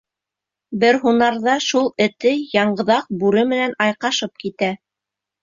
Бер һунарҙа шул эте яңғыҙаҡ бүре менән айҡашып китә.